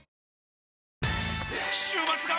週末が！！